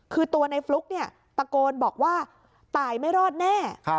คือตัวในฟลุ๊กเนี่ยตะโกนบอกว่าตายไม่รอดแน่